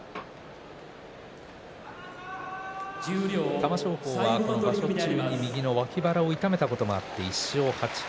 玉正鳳はこの場所中に右の脇腹を痛めたこともあって１勝８敗。